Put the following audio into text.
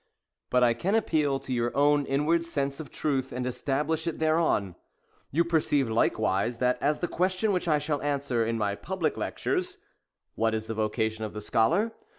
But I can appeal to your own inward sense of truth, and establish it thereon. You perceive likewise, that as the question which I shall answer in my public lectures, — What is the vocation of the Scholar?